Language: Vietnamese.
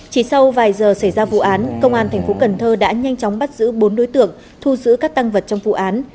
chỉ sau vài giờ xảy ra vụ án công an thành phố cần thơ đã nhanh chóng bắt giữ bốn đối tượng thu giữ các tăng vật trong vụ án